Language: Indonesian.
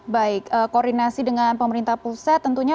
baik koordinasi dengan pemerintah pusat tentunya